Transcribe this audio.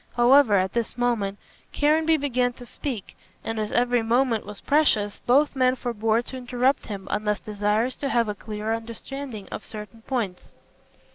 However, at this moment Caranby began to speak, and as every moment was precious, both men forbore to interrupt him unless desirous to have a clearer understanding on certain points.